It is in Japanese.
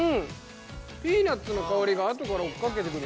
ピーナツの香りがあとから追っかけてくる。